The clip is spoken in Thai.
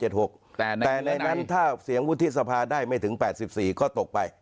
แต่ในนั้นถ้าเสียงวุฒิสภาได้ไม่ถึง๘๔ก็ตกไป